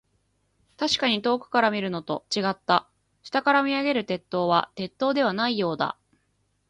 確かに遠くから見るのと、違った。下から見上げる鉄塔は、鉄塔ではないようだ。